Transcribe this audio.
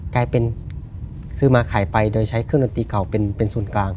กลายเป็นซื้อมาขายไปโดยใช้เครื่องดนตรีเก่าเป็นศูนย์กลาง